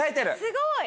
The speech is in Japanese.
すごい！